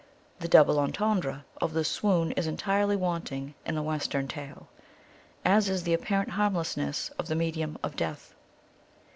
The double entendre of the swoon is entirely wanting in the West ern tale, as is the apparent harmlessness of the me dium of death.